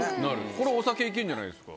これお酒行けるんじゃないですか？